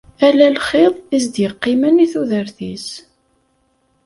Ala lxiḍ i s-d-yeqqimen i tudert-is.